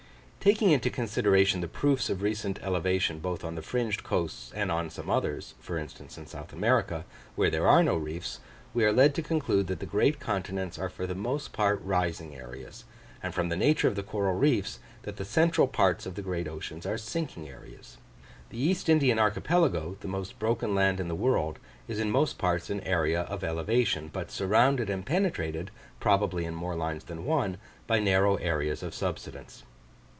Taking into consideration the proofs of recent elevation both on the fringed coasts and on some others (for instance, in South America) where there are no reefs, we are led to conclude that the great continents are for the most part rising areas: and from the nature of the coral reefs, that the central parts of the great oceans are sinking areas. The East Indian archipelago, the most broken land in the world, is in most parts an area of elevation, but surrounded and penetrated, probably in more lines than one, by narrow areas of subsidence.